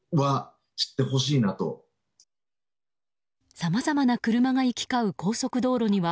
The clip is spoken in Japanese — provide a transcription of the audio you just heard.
さまざまな車が行き交う高速道路には